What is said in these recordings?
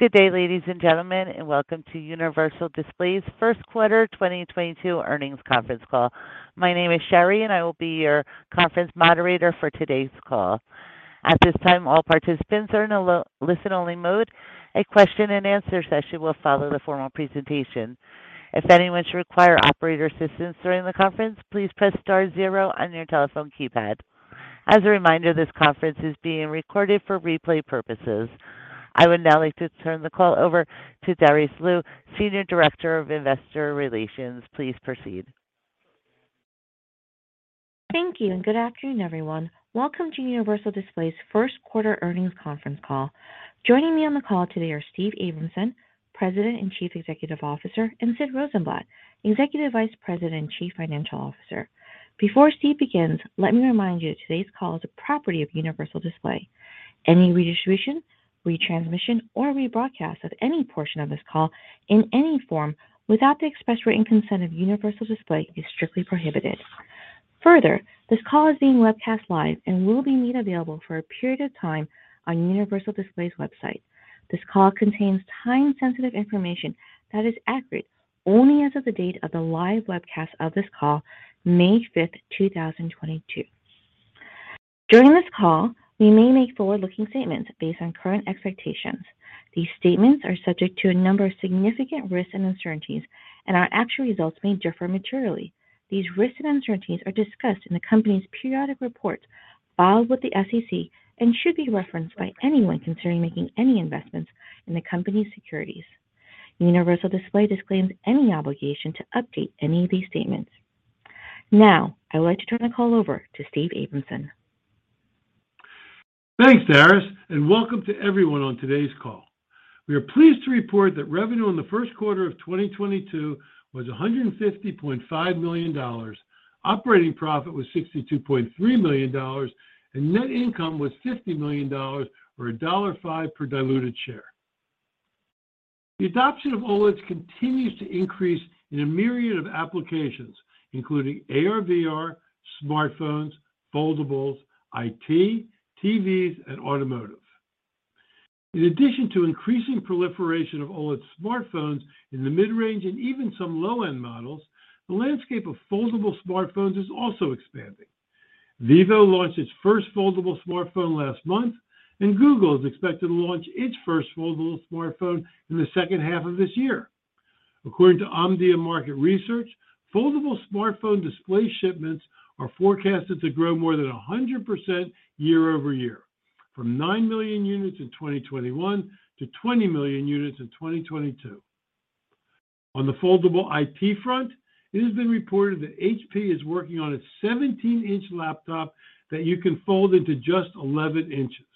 Good day, ladies and gentlemen, and welcome to Universal Display's Q1 2022 earnings conference call. My name is Sherry, and I will be your conference moderator for today's call. At this time, all participants are in a listen-only mode. A question and answer session will follow the formal presentation. If anyone should require operator assistance during the conference, please press star zero on your telephone keypad. As a reminder, this conference is being recorded for replay purposes. I would now like to turn the call over to Darice Liu, Senior Director of Investor Relations. Please proceed. Thank you, and good afternoon, everyone. Welcome to Universal Display's first quarter earnings conference call. Joining me on the call today are Steven V. Abramson, President and CEO, and Sidney D. Rosenblatt, EVP and CFO. Before Steven V. Abramson begins, let me remind you that today's call is a property of Universal Display. Any redistribution, retransmission, or rebroadcast of any portion of this call in any form without the express written consent of Universal Display is strictly prohibited. Further, this call is being webcast live and will be made available for a period of time on Universal Display's website. This call contains time-sensitive information that is accurate only as of the date of the live webcast of this call, May 5th 2022. During this call, we may make forward-looking statements based on current expectations. These statements are subject to a number of significant risks and uncertainties, and our actual results may differ materially. These risks and uncertainties are discussed in the company's periodic reports filed with the SEC and should be referenced by anyone considering making any investments in the company's securities. Universal Display disclaims any obligation to update any of these statements. Now, I'd like to turn the call over to Steve Abramson. Thanks, Darice, and welcome to everyone on today's call. We are pleased to report that revenue in the first quarter of 2022 was $150.5 million. Operating profit was $62.3 million, and net income was $50 million, or $1.05 per diluted share. The adoption of OLEDs continues to increase in a myriad of applications, including AR/VR, smartphones, foldables, IT, TVs, and automotive. In addition to increasing proliferation of OLED smartphones in the mid-range and even some low-end models, the landscape of foldable smartphones is also expanding. Vivo launched its first foldable smartphone last month, and Google is expected to launch its first foldable smartphone in the second half of this year. According to Omdia, foldable smartphone display shipments are forecasted to grow more than 100% year-over-year from 9 million units in 2021 to 20 million units in 2022. On the foldable IT front, it has been reported that HP is working on a 17-inch laptop that you can fold into just 11 inches.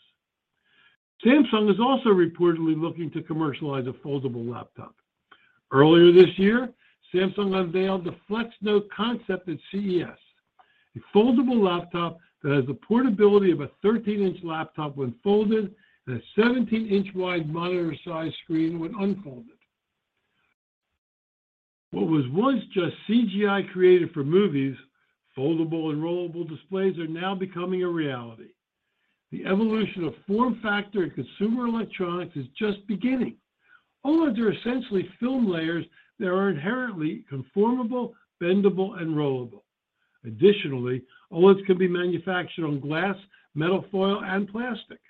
Samsung is also reportedly looking to commercialize a foldable laptop. Earlier this year, Samsung unveiled the Flex Note concept at CES, a foldable laptop that has the portability of a 13-inch laptop when folded and a 17-inch wide monitor size screen when unfolded. What was once just CGI created for movies, foldable and rollable displays are now becoming a reality. The evolution of form factor in consumer electronics is just beginning. OLEDs are essentially film layers that are inherently conformable, bendable, and rollable. Additionally, OLEDs can be manufactured on glass, metal foil, and plastic.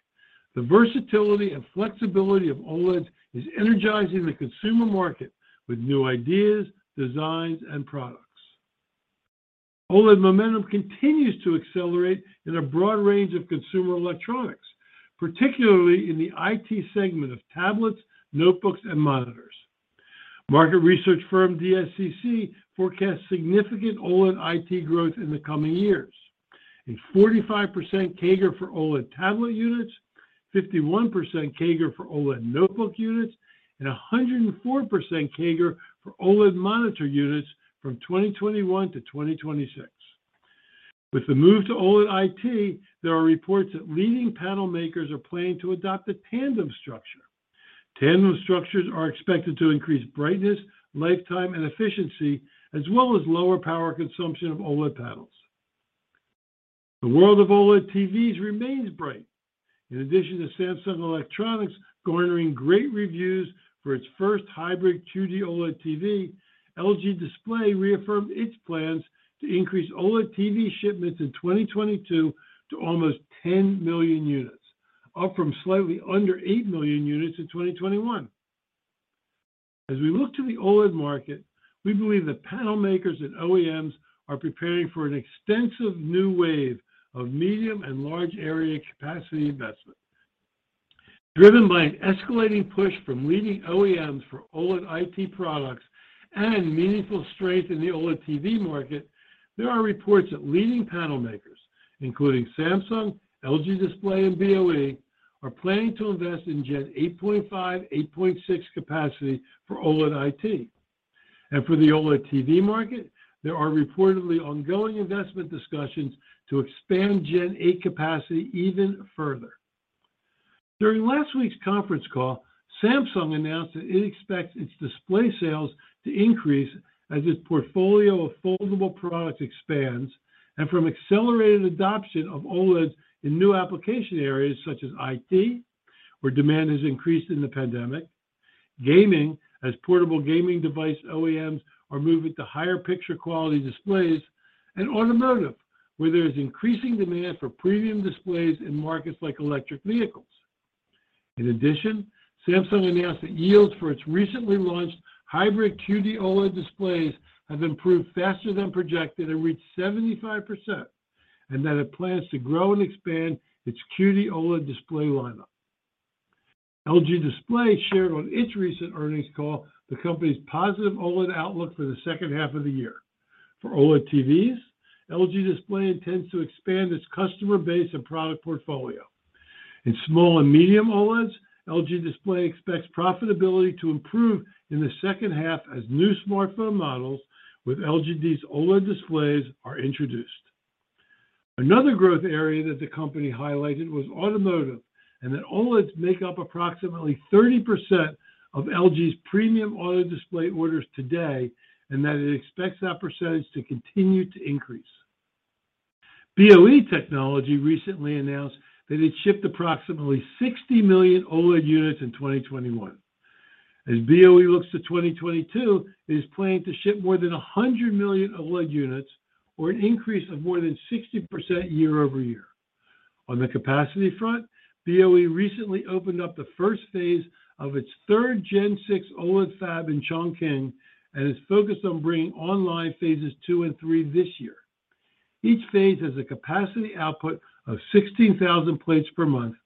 The versatility and flexibility of OLEDs is energizing the consumer market with new ideas, designs, and products. OLED momentum continues to accelerate in a broad range of consumer electronics, particularly in the IT segment of tablets, notebooks, and monitors. Market research firm DSCC forecasts significant OLED IT growth in the coming years, a 45% CAGR for OLED tablet units, 51% CAGR for OLED notebook units, and a 104% CAGR for OLED monitor units from 2021 to 2026. With the move to OLED IT, there are reports that leading panel makers are planning to adopt a tandem structure. Tandem structures are expected to increase brightness, lifetime, and efficiency, as well as lower power consumption of OLED panels. The world of OLED TVs remains bright. In addition to Samsung Electronics garnering great reviews for its first hybrid QD-OLED TV, LG Display reaffirmed its plans to increase OLED TV shipments in 2022 to almost 10 million units, up from slightly under 8 million units in 2021. As we look to the OLED market, we believe that panel makers and OEMs are preparing for an extensive new wave of medium and large area capacity investment. Driven by an escalating push from leading OEMs for OLED IT products and meaningful strength in the OLED TV market, there are reports that leading panel makers, including Samsung, LG Display, and BOE, are planning to invest in Gen 8.5, 8.6 capacity for OLED IT. For the OLED TV market, there are reportedly ongoing investment discussions to expand Gen 8 capacity even further. During last week's conference call, Samsung announced that it expects its display sales to increase as its portfolio of foldable products expands and from accelerated adoption of OLEDs in new application areas such as IT, where demand has increased in the pandemic. Gaming, as portable gaming device OEMs are moving to higher picture quality displays, and automotive, where there is increasing demand for premium displays in markets like electric vehicles. In addition, Samsung announced that yields for its recently launched hybrid QD-OLED displays have improved faster than projected and reached 75%, and that it plans to grow and expand its QD-OLED display lineup. LG Display shared on its recent earnings call the company's positive OLED outlook for the second half of the year. For OLED TVs, LG Display intends to expand its customer base and product portfolio. In small and medium OLEDs, LG Display expects profitability to improve in the second half as new smartphone models with LGD's OLED displays are introduced. Another growth area that the company highlighted was automotive, and that OLEDs make up approximately 30% of LG's premium auto display orders today, and that it expects that percentage to continue to increase. BOE Technology Group recently announced that it shipped approximately 60 million OLED units in 2021. As BOE looks to 2022, it is planning to ship more than 100 million OLED units or an increase of more than 60% year-over-year. On the capacity front, BOE recently opened up the first phase of its third Gen 6 OLED fab in Chongqing and is focused on bringing online phases II and III this year. Each phase has a capacity output of 16,000 plates per month,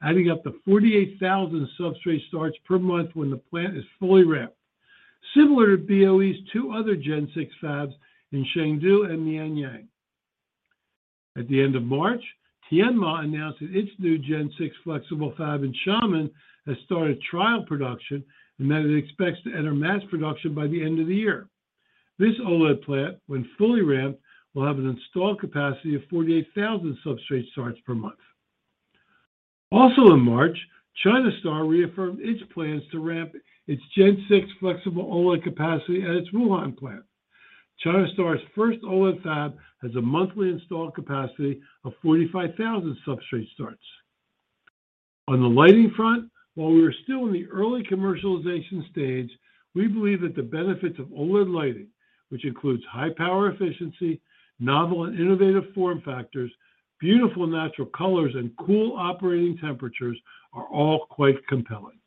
adding up to 48,000 substrate starts per month when the plant is fully ramped. Similar to BOE's two other gen six fabs in Chengdu and Mianyang. At the end of March, Tianma announced that its new gen six flexible fab in Xiamen has started trial production and that it expects to enter mass production by the end of the year. This OLED plant, when fully ramped, will have an installed capacity of 48,000 substrate starts per month. Also in March, China Star reaffirmed its plans to ramp its gen six flexible OLED capacity at its Wuhan plant. China Star's first OLED fab has a monthly installed capacity of 45,000 substrate starts. On the lighting front, while we are still in the early commercialization stage, we believe that the benefits of OLED lighting, which includes high power efficiency, novel and innovative form factors, beautiful natural colors, and cool operating temperatures, are all quite compelling.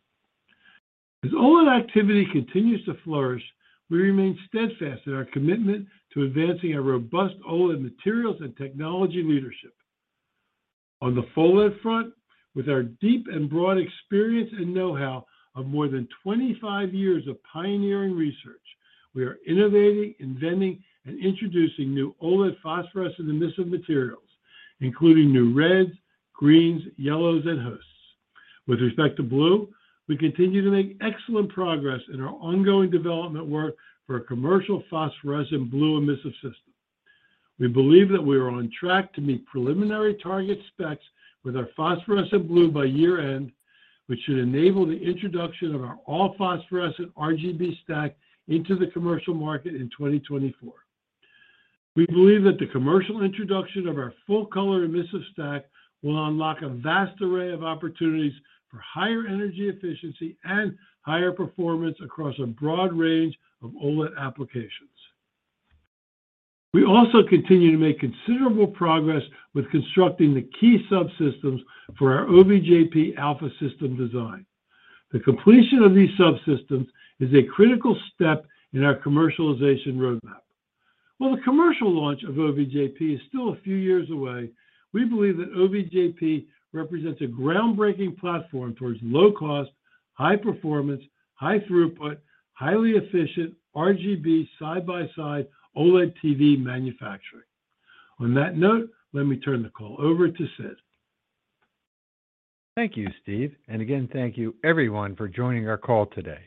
As OLED activity continues to flourish, we remain steadfast in our commitment to advancing our robust OLED materials and technology leadership. On the OLED front, with our deep and broad experience and know-how of more than 25 years of pioneering research, we are innovating, inventing, and introducing new OLED phosphorus and emissive materials, including new reds, greens, yellows, and hosts. With respect to blue, we continue to make excellent progress in our ongoing development work for a commercial phosphorescent blue emissive system. We believe that we are on track to meet preliminary target specs with our phosphorescent blue by year-end, which should enable the introduction of our all-phosphorescent RGB stack into the commercial market in 2024. We believe that the commercial introduction of our full-color emissive stack will unlock a vast array of opportunities for higher energy efficiency and higher performance across a broad range of OLED applications. We also continue to make considerable progress with constructing the key subsystems for our OVJP alpha system design. The completion of these subsystems is a critical step in our commercialization roadmap. While the commercial launch of OVJP is still a few years away, we believe that OVJP represents a groundbreaking platform towards low cost, high performance, high throughput, highly efficient RGB side-by-side OLED TV manufacturing. On that note, let me turn the call over to Sid. Thank you, Steve. Again, thank you everyone for joining our call today.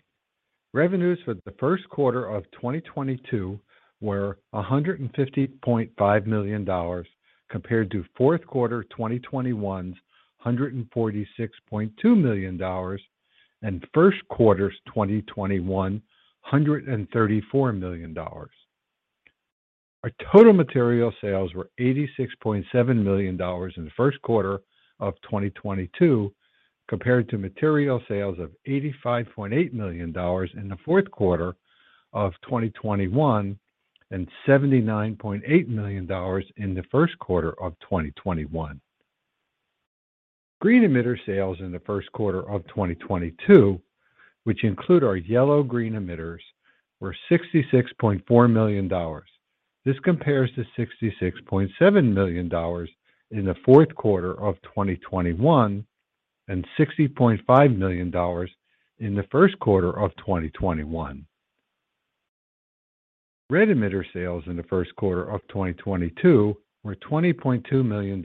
Revenues for the Q1 of 2022 were $150.5 million, compared toQ4 2021's $146.2 million and first quarter 2021 $134 million. Our total material sales were $86.7 million in the Q1 of 2022, compared to material sales of $85.8 million in the Q4 of 2021 and $79.8 million in the Q1 of 2021. Green emitter sales in the Q1 of 2022, which include our yellow-green emitters, were $66.4 million. This compares to $66.7 million in the Q4 of 2021 and $60.5 million in the Q1 of 2021. Red emitter sales in the Q1 of 2022 were $20.2 million.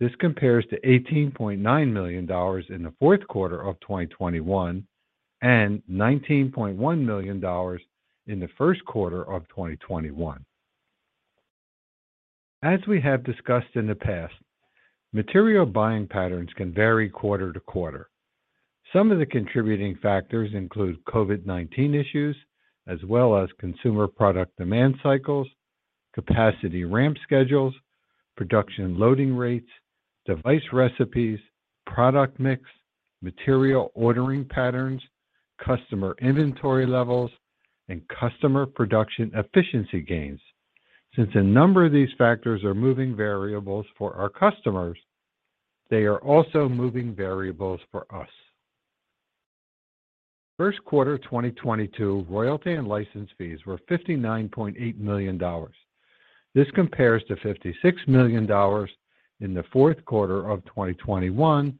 This compares to $18.9 million in the Q4 of 2021 and $19.1 million in the Q1 of 2021. As we have discussed in the past, material buying patterns can vary quarter to quarter. Some of the contributing factors include COVID-19 issues as well as consumer product demand cycles, capacity ramp schedules, production loading rates, device recipes, product mix, material ordering patterns, customer inventory levels, and customer production efficiency gains. Since a number of these factors are moving variables for our customers, they are also moving variables for us. First quarter 2022 royalty and license fees were $59.8 million. This compares to $56 million in the fourth quarter of 2021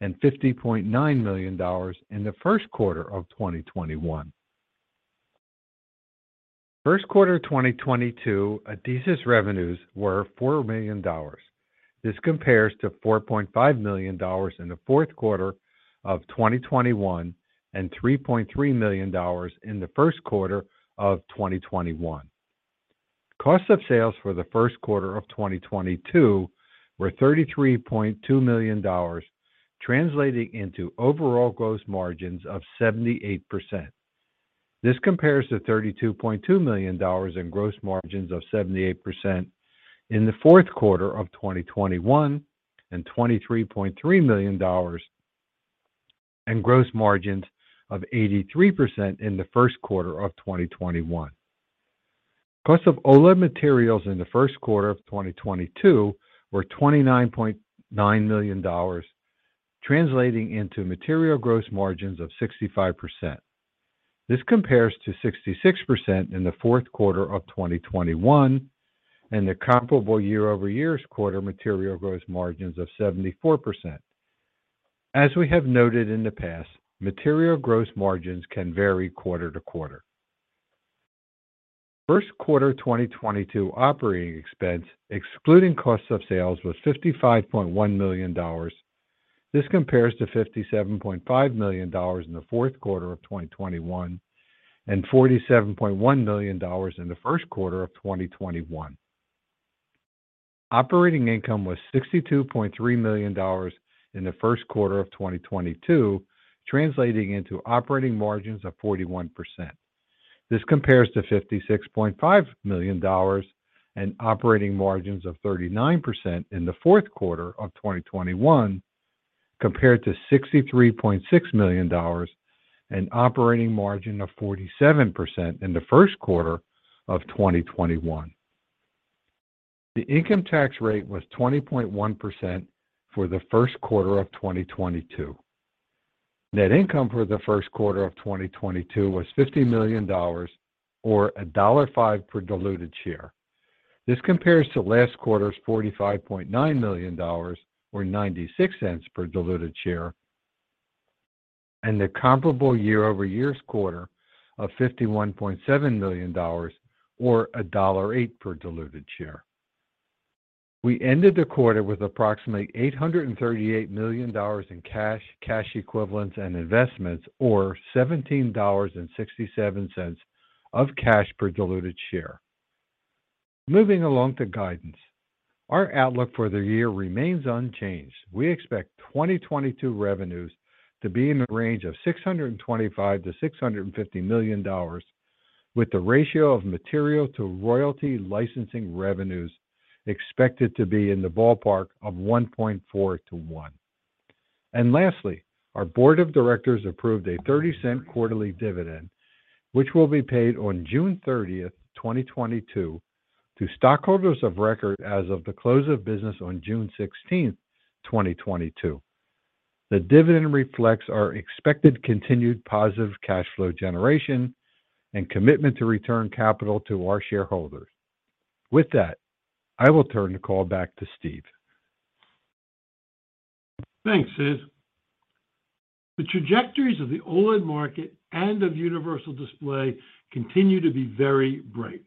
and $50.9 million in the Q1 of 2021. Q1 2022, Adesis revenues were $4 million. This compares to $4.5 million in the Q4 of 2021 and $3.3 million in the Q1 of 2021. Cost of sales for the Q1 of 2022 were $33.2 million, translating into overall gross margins of 78%. This compares to $32.2 million in gross margins of 78% in the fourth quarter of 2021 and $23.3 million in gross margins of 83% in the first quarter of 2021. Cost of OLED materials in the Q1 of 2022 were $29.9 million, translating into material gross margins of 65%. This compares to 66% in the Q4 of 2021 and the comparable year-over-year Q1 material gross margins of 74%. As we have noted in the past, material gross margins can vary quarter to quarter. Q1 2022 operating expense, excluding cost of sales, was $55.1 million. This compares to $57.5 million in the Q4 of 2021 and $47.1 million in the Q1 of 2021. Operating income was $62.3 million in the Q1 of 2022, translating into operating margins of 41%. This compares to $56.5 million and operating margins of 39% in the Q4 of 2021, compared to $63.6 million and operating margin of 47% in the Q1 of 2021. The income tax rate was 20.1% for the Q1 of 2022. Net income for the Q1 of 2022 was $50 million or $1.05 per diluted share. This compares to last quarter's $45.9 million or $0.96 per diluted share, and the comparable year-over-year's quarter of $51.7 million or $1.08 per diluted share. We ended the quarter with approximately $838 million in cash equivalents, and investments, or $17.67 of cash per diluted share. Moving along to guidance. Our outlook for the year remains unchanged. We expect 2022 revenues to be in the range of $625 million-$650 million, with the ratio of material to royalty licensing revenues expected to be in the ballpark of 1.4 to one. Lastly, our board of directors approved a $0.30 quarterly dividend, which will be paid on June 30th 2022 to stockholders of record as of the close of business on June 16th 2022. The dividend reflects our expected continued positive cash flow generation and commitment to return capital to our shareholders. With that, I will turn the call back to Steve. Thanks, Sid. The trajectories of the OLED market and of Universal Display continue to be very bright.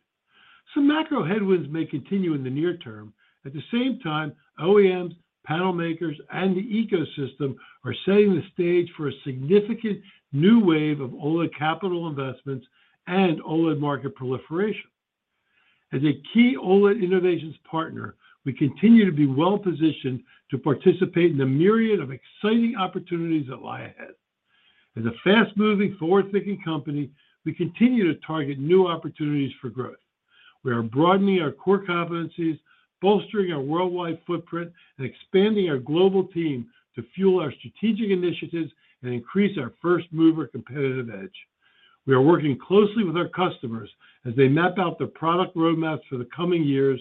Some macro headwinds may continue in the near term. At the same time, OEMs, panel makers, and the ecosystem are setting the stage for a significant new wave of OLED capital investments and OLED market proliferation. As a key OLED innovations partner, we continue to be well-positioned to participate in the myriad of exciting opportunities that lie ahead. As a fast-moving, forward-thinking company, we continue to target new opportunities for growth. We are broadening our core competencies, bolstering our worldwide footprint, and expanding our global team to fuel our strategic initiatives and increase our first-mover competitive edge. We are working closely with our customers as they map out their product roadmaps for the coming years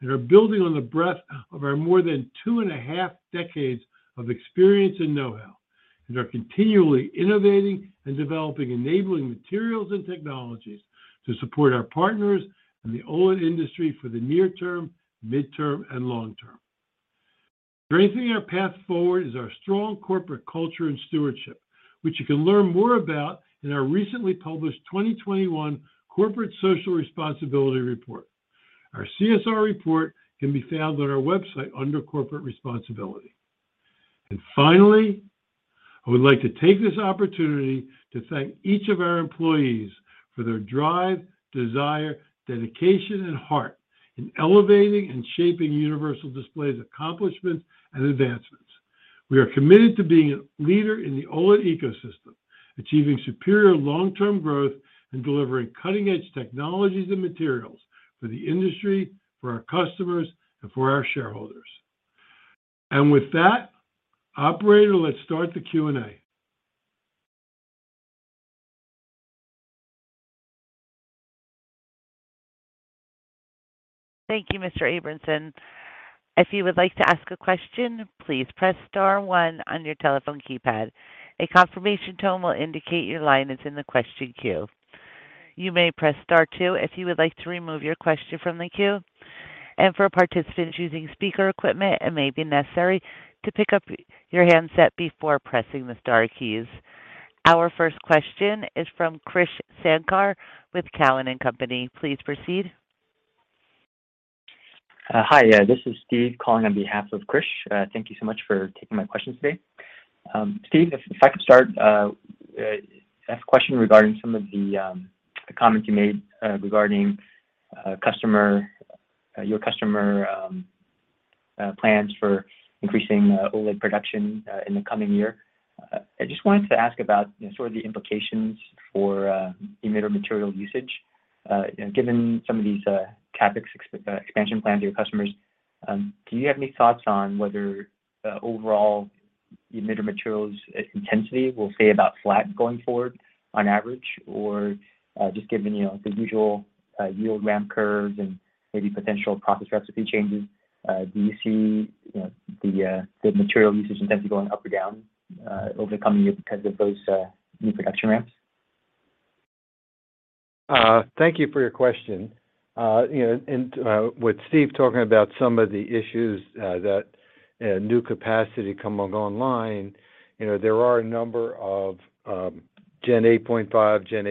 and are building on the breadth of our more than two and a half decades of experience and know-how, and are continually innovating and developing enabling materials and technologies to support our partners and the OLED industry for the near term, midterm, and long term. Driving our path forward is our strong corporate culture and stewardship, which you can learn more about in our recently published 2021 Corporate Social Responsibility Report. Our CSR report can be found on our website under Corporate Responsibility. Finally, I would like to take this opportunity to thank each of our employees for their drive, desire, dedication, and heart in elevating and shaping Universal Display's accomplishments and advancements. We are committed to being a leader in the OLED ecosystem, achieving superior long-term growth and delivering cutting-edge technologies and materials for the industry, for our customers, and for our shareholders. With that, operator, let's start the Q&A. Thank you, Mr. Abramson. If you would like to ask a question, please press star one on your telephone keypad. A confirmation tone will indicate your line is in the question queue. You may press star two if you would like to remove your question from the queue. For participants using speaker equipment, it may be necessary to pick up your handset before pressing the star keys. Our first question is from Krish Sankar with TD Cowen. Please proceed. Hi, this is Steve calling on behalf of Krish. Thank you so much for taking my question today. Steve, if I could start, ask a question regarding some of the comments you made regarding customer, your customer plans for increasing OLED production in the coming year. I just wanted to ask about sort of the implications for emitter material usage. Given some of these CapEx expansion plans of your customers, do you have any thoughts on whether overall emitter materials intensity will stay about flat going forward on average? Or just given, you know, the usual yield ramp curves and maybe potential process recipe changes, do you see, you know, the material usage intensity going up or down over the coming year because of those new production ramps? Thank you for your question. You know, with Steve talking about some of the issues that new capacity coming online, you know, there are a number of Gen 8.5, Gen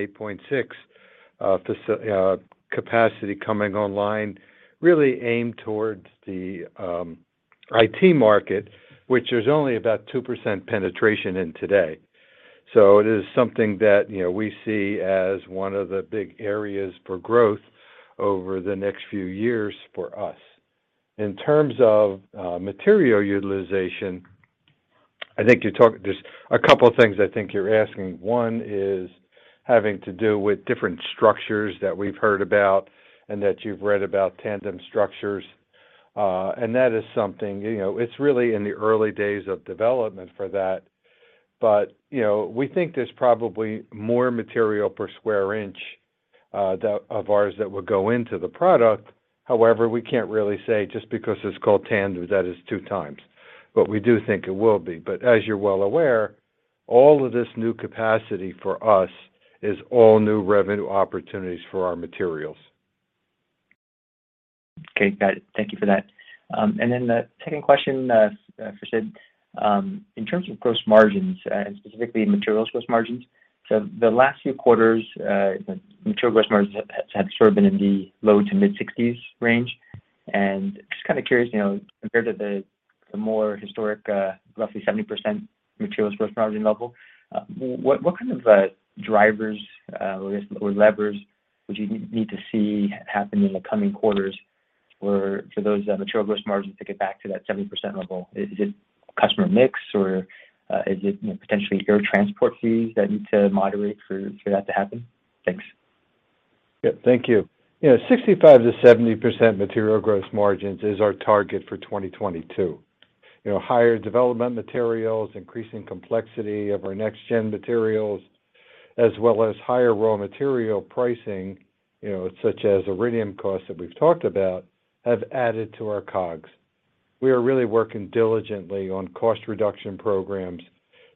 8.6 capacity coming online really aimed towards the IT market, which there's only about 2% penetration in today. It is something that, you know, we see as one of the big areas for growth over the next few years for us. In terms of material utilization, I think you're asking. There's a couple of things I think you're asking. One is having to do with different structures that we've heard about and that you've read about tandem structures. That is something, you know, it's really in the early days of development for that. You know, we think there's probably more material per square inch, that of ours that would go into the product. However, we can't really say just because it's called tandem, that is two times. We do think it will be. As you're well aware, all of this new capacity for us is all new revenue opportunities for our materials. Okay. Got it. Thank you for that. The second question for Sid. In terms of gross margins, and specifically material gross margins, so the last few quarters, material gross margins have sort of been in the low-to-mid 60s% range. Just kind of curious, you know, compared to the more historic, roughly 70% material gross margin level, what kind of drivers or, I guess, levers would you need to see happen in the coming quarters for those material gross margins to get back to that 70% level? Is it customer mix, or is it, you know, potentially air transport fees that need to moderate for that to happen? Thanks. Yeah. Thank you. You know, 65%-70% material gross margins is our target for 2022. You know, higher development materials, increasing complexity of our next gen materials, as well as higher raw material pricing, you know, such as Iridium costs that we've talked about, have added to our COGS. We are really working diligently on cost reduction programs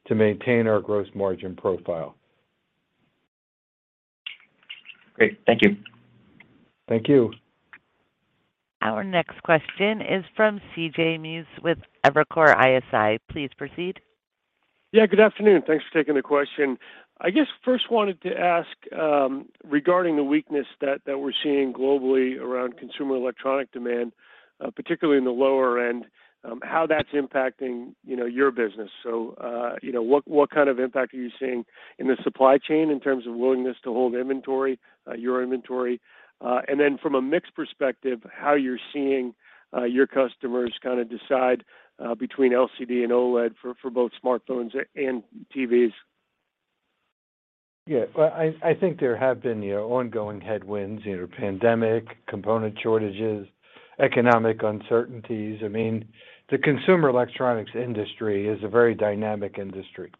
to maintain our gross margin profile. Great. Thank you. Thank you. Our next question is from C.J. Muse with Evercore ISI. Please proceed. Yeah, good afternoon. Thanks for taking the question. I just first wanted to ask regarding the weakness that we're seeing globally around consumer electronics demand, particularly in the lower end, how that's impacting, you know, your business. You know, what kind of impact are you seeing in the supply chain in terms of willingness to hold inventory, your inventory? And then from a mix perspective, how you're seeing your customers kind of decide between LCD and OLED for both smartphones and TVs. Yeah. Well, I think there have been, you know, ongoing headwinds, you know, pandemic, component shortages, economic uncertainties. I mean, the consumer electronics industry is a very dynamic industry,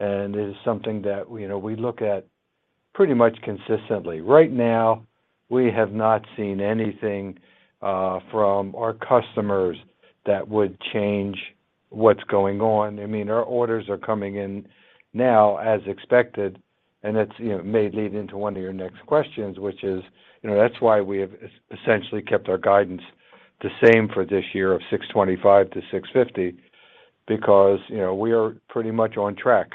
and it is something that, you know, we look at pretty much consistently. Right now, we have not seen anything from our customers that would change what's going on. I mean, our orders are coming in now as expected, and it's, you know, may lead into one of your next questions, which is, you know, that's why we have essentially kept our guidance the same for this year of $625-$650 because, you know, we are pretty much on track.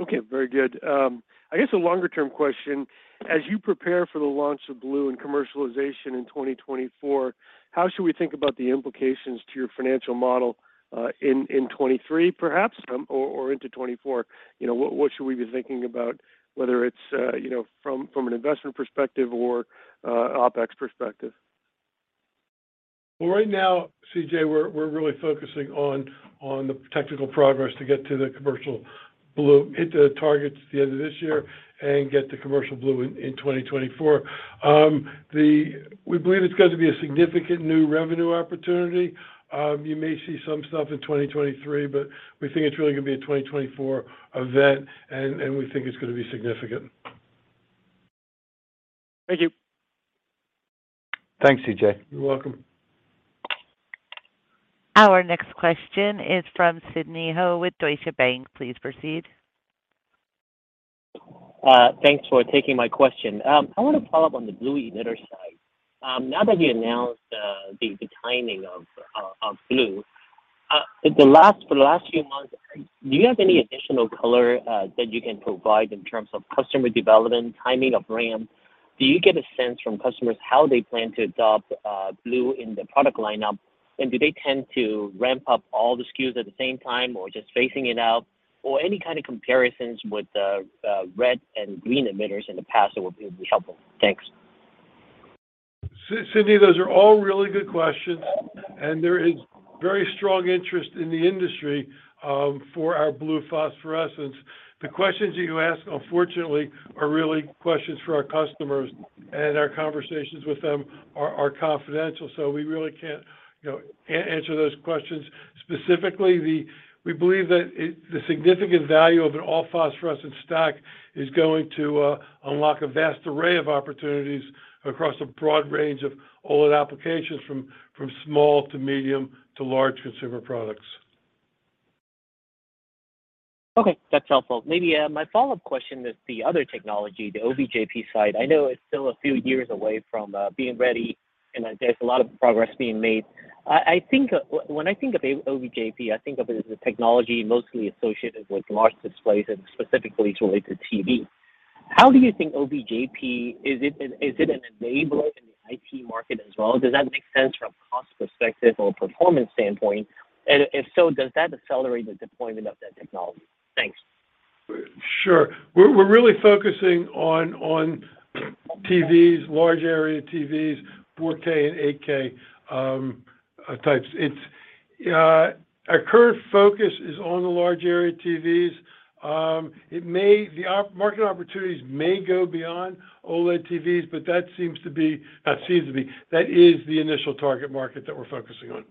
Okay. Very good. I guess a longer-term question. As you prepare for the launch of blue and commercialization in 2024, how should we think about the implications to your financial model in 2023 perhaps, or into 2024? You know, what should we be thinking about, whether it's from an investment perspective or OpEx perspective? Well, right now, C.J., we're really focusing on the technical progress to get to the commercial blue. Hit the targets at the end of this year and get to commercial blue in 2024. We believe it's going to be a significant new revenue opportunity. You may see some stuff in 2023, but we think it's really gonna be a 2024 event, and we think it's gonna be significant. Thank you. Thanks, C.J. You're welcome. Our next question is from Sidney Ho with Deutsche Bank. Please proceed. Thanks for taking my question. I want to follow up on the blue emitter side. Now that you announced the timing of blue for the last few months, do you have any additional color that you can provide in terms of customer development, timing of ramp? Do you get a sense from customers how they plan to adopt blue in their product lineup? Do they tend to ramp up all the SKUs at the same time or just phasing it out? Or any kind of comparisons with red and green emitters in the past that would be helpful. Thanks. Sidney, those are all really good questions, and there is very strong interest in the industry for our blue phosphorescence. The questions that you ask, unfortunately, are really questions for our customers, and our conversations with them are confidential. We really can't, you know, answer those questions specifically. We believe that it, the significant value of an all phosphorescent stack is going to unlock a vast array of opportunities across a broad range of OLED applications from small to medium to large consumer products. Okay. That's helpful. Maybe my follow-up question is the other technology, the OVJP side. I know it's still a few years away from being ready, and there's a lot of progress being made. I think when I think of OVJP, I think of it as a technology mostly associated with large displays and specifically related to TV. How do you think OVJP is an enabler in the IT market as well? Does that make sense from a cost perspective or performance standpoint? And if so, does that accelerate the deployment of that technology? Thanks. Sure. We're really focusing on TVs, large area TVs, 4K and 8K types. It's our current focus is on the large area TVs. Market opportunities may go beyond OLED TVs, but that seems to be the initial target market that we're focusing on.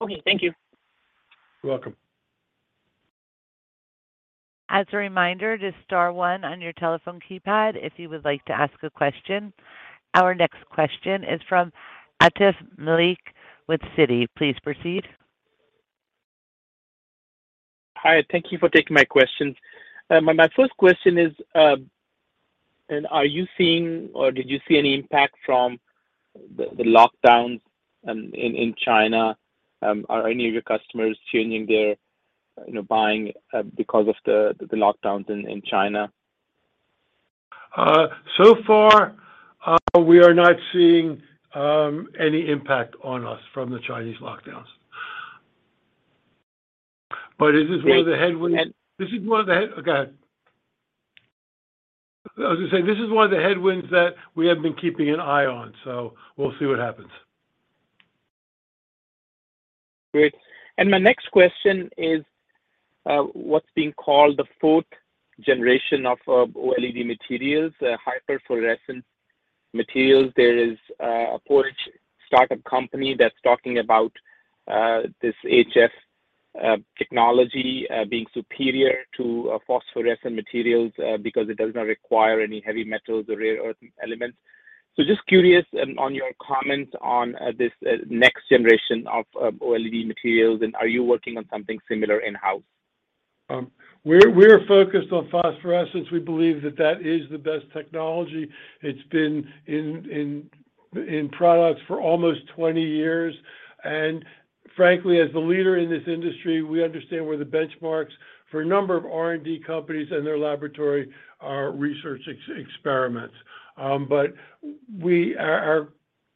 Okay. Thank you. You're welcome. As a reminder, just star one on your telephone keypad if you would like to ask a question. Our next question is from Atif Malik with Citi. Please proceed. Hi. Thank you for taking my questions. My first question is, are you seeing or did you see any impact from the lockdowns in China? Are any of your customers changing their, you know, buying because of the lockdowns in China? So far, we are not seeing any impact on us from the Chinese lockdowns. This is one of the headwinds. Great. I was gonna say, this is one of the headwinds that we have been keeping an eye on. We'll see what happens. Great. My next question is, what's being called the fourth generation of OLED materials, hyperfluorescent materials. There is a Polish startup company that's talking about this HF technology being superior to phosphorescent materials because it does not require any heavy metals or rare earth elements. Just curious on your comment on this next generation of OLED materials, and are you working on something similar in-house? We're focused on phosphorescence. We believe that that is the best technology. It's been in products for almost 20 years. Frankly, as the leader in this industry, we understand where the benchmarks for a number of R&D companies and their laboratory are research experiments. But we— our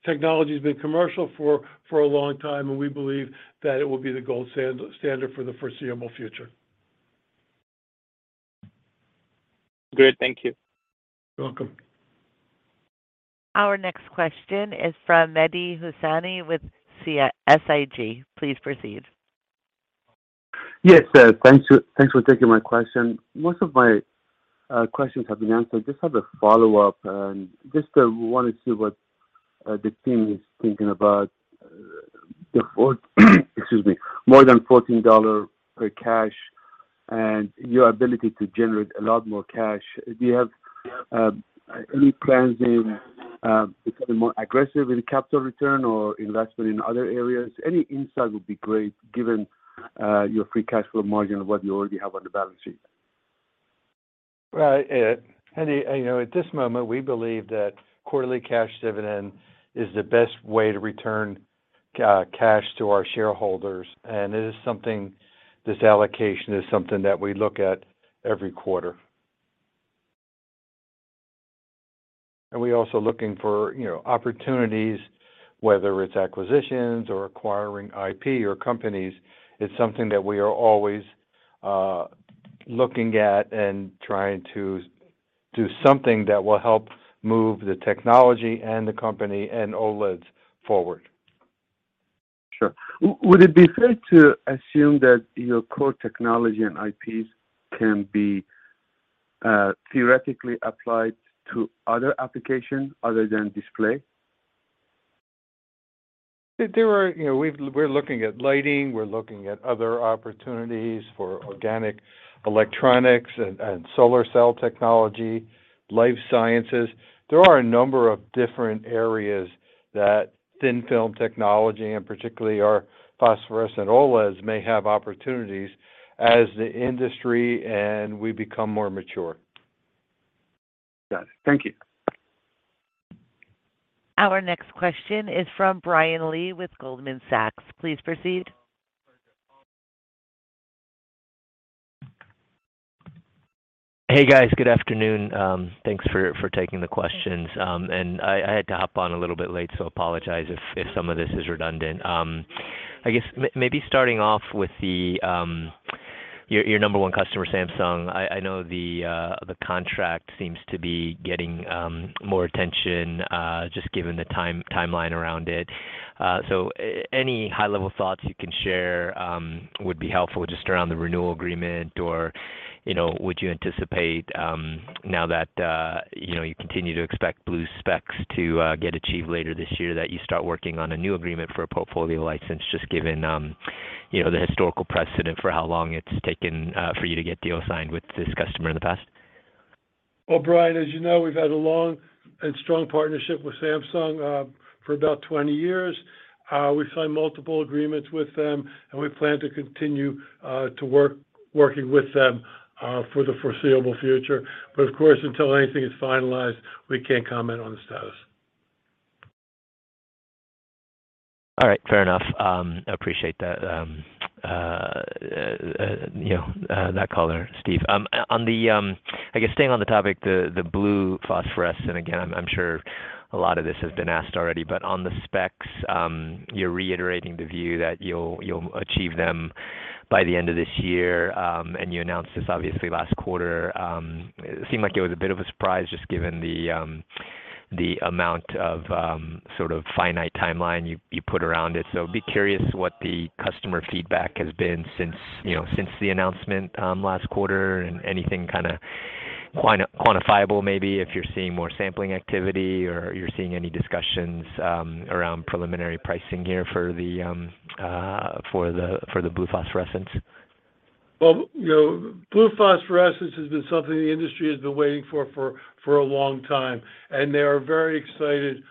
technology has been commercial for a long time, and we believe that it will be the gold standard for the foreseeable future. Great. Thank you. You're welcome. Our next question is from Mehdi Hosseini with SIG. Please proceed. Yes. Thanks for taking my question. Most of my questions have been answered. Just have a follow-up. Just want to see what the team is thinking about more than $14 per share cash and your ability to generate a lot more cash. Do you have any plans in becoming more aggressive in capital return or investment in other areas? Any insight would be great given your free cash flow margin and what you already have on the balance sheet. Well, Eddie, you know, at this moment, we believe that quarterly cash dividend is the best way to return cash to our shareholders. It is something, this allocation is something that we look at every quarter. We're also looking for, you know, opportunities, whether it's acquisitions or acquiring IP or companies. It's something that we are always Looking at and trying to do something that will help move the technology and the company and OLEDs forward. Sure. Would it be fair to assume that your core technology and IPs can be theoretically applied to other applications other than display? There are. You know, we're looking at lighting, we're looking at other opportunities for organic electronics and solar cell technology, life sciences. There are a number of different areas that thin-film technology, and particularly our phosphorescent OLEDs, may have opportunities as the industry and we become more mature. Got it. Thank you. Our next question is from Brian Lee with Goldman Sachs. Please proceed. Hey, guys. Good afternoon. Thanks for taking the questions. I had to hop on a little bit late, so apologize if some of this is redundant. I guess maybe starting off with your number one customer, Samsung. I know the contract seems to be getting more attention just given the timeline around it. Any high-level thoughts you can share would be helpful just around the renewal agreement or, you know, would you anticipate, now that you know, you continue to expect blue specs to get achieved later this year, that you start working on a new agreement for a portfolio license just given, you know, the historical precedent for how long it's taken for you to get deals signed with this customer in the past? Well, Brian, as you know, we've had a long and strong partnership with Samsung for about 20 years. We've signed multiple agreements with them, and we plan to continue working with them for the foreseeable future. Of course, until anything is finalized, we can't comment on the status. All right. Fair enough. I appreciate that, you know, that color, Steve. I guess staying on the topic, the blue phosphorescent, again, I'm sure a lot of this has been asked already. On the specs, you're reiterating the view that you'll achieve them by the end of this year, and you announced this obviously last quarter. It seemed like it was a bit of a surprise just given the amount of sort of finite timeline you put around it. Be curious what the customer feedback has been since, you know, since the announcement last quarter and anything kinda quantifiable, maybe if you're seeing more sampling activity or you're seeing any discussions around preliminary pricing here for the blue phosphorescent. Well, you know, blue phosphorescent has been something the industry has been waiting for a long time, and they are very excited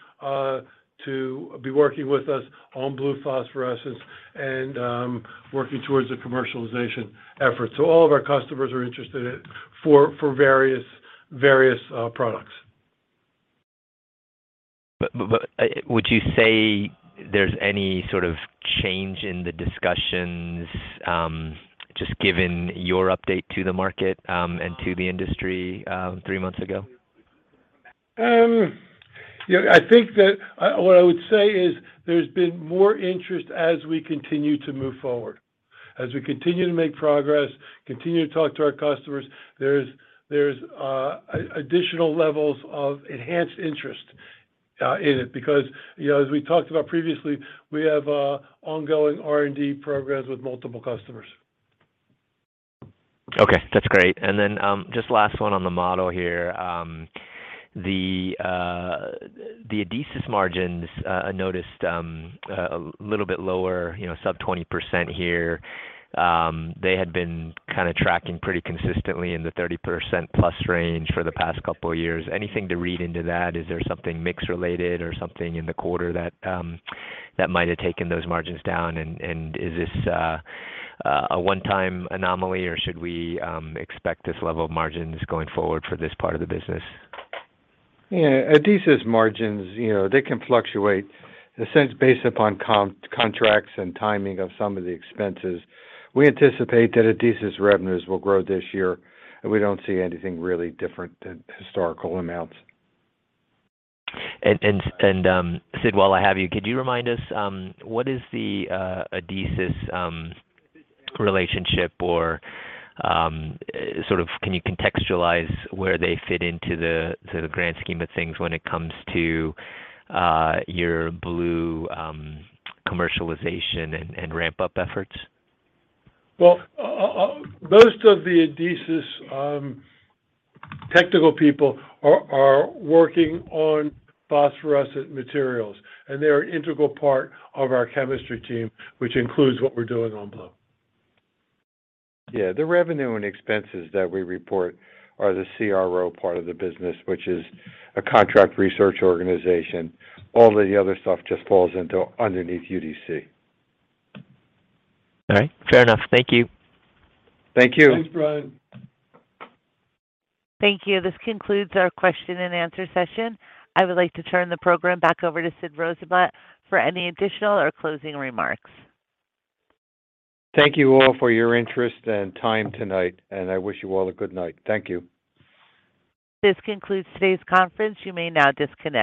to be working with us on blue phosphorescent and working towards the commercialization efforts. All of our customers are interested in various products. Would you say there's any sort of change in the discussions, just given your update to the market, and to the industry, three months ago? Yeah, I think that what I would say is there's been more interest as we continue to move forward. As we continue to make progress, continue to talk to our customers, there's additional levels of enhanced interest in it because, you know, as we talked about previously, we have ongoing R&D programs with multiple customers. Okay, that's great. Just last one on the model here. The Adesis margins, I noticed, a little bit lower, you know, sub 20% here. They had been kinda tracking pretty consistently in the 30%+ range for the past couple of years. Anything to read into that? Is there something mix-related or something in the quarter that might have taken those margins down? Is this a one-time anomaly, or should we expect this level of margins going forward for this part of the business? Yeah. Adesis margins, you know, they can fluctuate, in a sense, based upon contracts and timing of some of the expenses. We anticipate that Adesis revenues will grow this year, and we don't see anything really different than historical amounts. Sid, while I have you, could you remind us what is the Adesis relationship or sort of can you contextualize where they fit into the grand scheme of things when it comes to your blue commercialization and ramp-up efforts? Well, most of the Adesis technical people are working on phosphorescent materials, and they're an integral part of our chemistry team, which includes what we're doing on blue. Yeah. The revenue and expenses that we report are the CRO part of the business, which is a contract research organization. All the other stuff just falls into underneath UDC. All right. Fair enough. Thank you. Thank you. Thanks, Brian. Thank you. This concludes our question and answer session. I would like to turn the program back over to Sid Rosenblatt for any additional or closing remarks. Thank you all for your interest and time tonight, and I wish you all a good night. Thank you. This concludes today's conference. You may now disconnect.